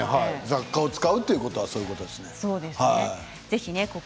雑貨を使うということはそういうことですね。